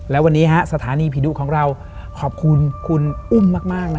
และวันนี้สถานีผีดุของเราขอบคุณคุณอุ้มมากนะ